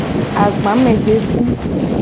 Agbamedesi.